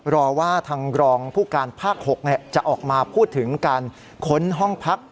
รอว่าทางรองผู้การภาค๖จะออกมาพูดถึงการค้นห้องพัก